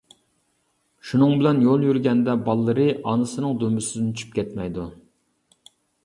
شۇنىڭ بىلەن يول يۈرگەندە بالىلىرى ئانىسىنىڭ دۈمبىسىدىن چۈشۈپ كەتمەيدۇ.